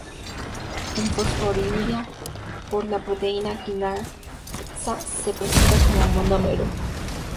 Es fosforilada por la proteína quinasa C. Se presenta como monómero.